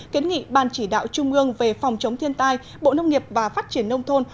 kiến nghị ban chỉ đạo trung ương về phòng chống thiên tai bộ nông nghiệp và phát triển nông thôn